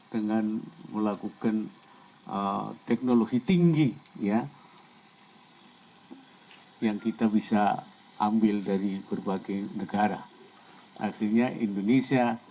dengan melakukan teknologi tinggi ya yang kita bisa ambil dari berbagai negara akhirnya indonesia